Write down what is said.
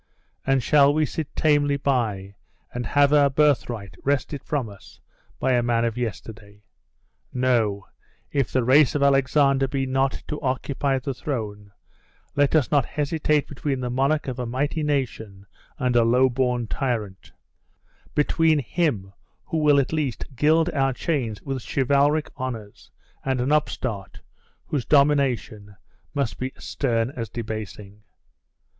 And shall we sit tamely by, and have our birthright wrested from us by a man of yesterday? No; if the race of Alexander be not to occupy the throne, let us not hesitate between the monarch of a mighty nation and a low born tyrant, between him who will at least gild our chains with chivalric honors, and an upstart, whose domination must be as stern as debasing!"